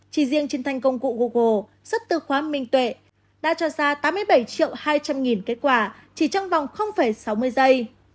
chỉ riêng trên thanh công cụ google xuất từ khóa minh tuệ đã cho ra tám mươi bảy triệu hai trăm linh kết quả chỉ trong vòng sáu mươi giây